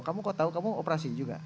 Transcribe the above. kamu kok tahu kamu operasi juga